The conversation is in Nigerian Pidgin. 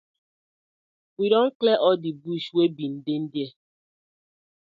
We don clear all di bush wey been dey dere.